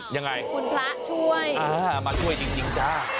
ยังไงคุณพระช่วยมาช่วยจริงจ้า